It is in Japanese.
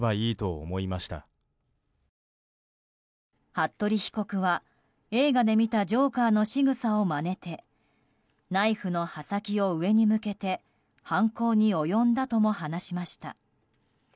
服部被告は、映画で見たジョーカーのしぐさをまねてナイフの刃先を上に向けて犯行に及んだとも話しました。